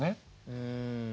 うん。